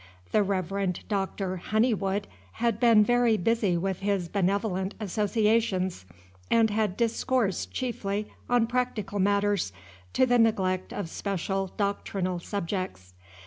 The Reverend Doctor Honeywood had been very busy with his benevolent associations, and had discoursed chiefly on practical matters, to the neglect of special doctrinal subjects.